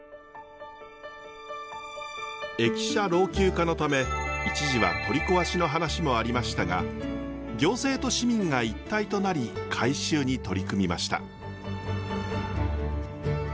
駅舎老朽化のため一時は取り壊しの話もありましたが行政と市民が一体となり改修に取り組みました。